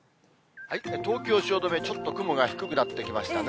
東京・汐留、ちょっと雲が低くなってきましたね。